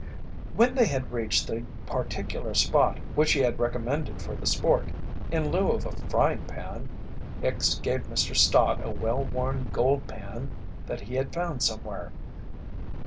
When they had reached the particular spot which he had recommended for the sport, in lieu of a frying pan, Hicks gave Mr. Stott a well worn gold pan that he had found somewhere.